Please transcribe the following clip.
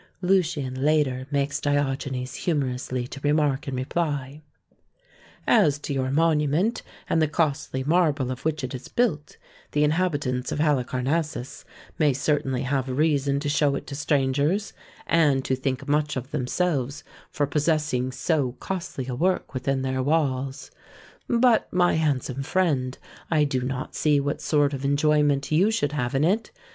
Lucian later makes Diogenes humorously to remark in reply : As to your monument and the costly marble of which it is built, the inhabitants of Halicarnassus may certainly have reason to show it to strangers, and to think much of themselves for possessing so 144 THE SEyEN WONDERS costly a work within their walls; but, my handsome friend, I do not see what sort of enjoyment you should have in it.